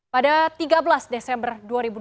pada tiga belas desember dua ribu dua puluh